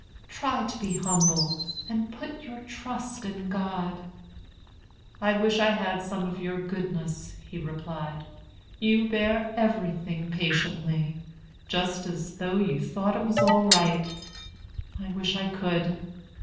Try to be humble, and put your trust in God." "I wish I had some of your goodness," he replied. "You bear everything patiently, just as though you thought it was all right. I wish I could."